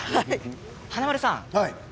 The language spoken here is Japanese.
華丸さん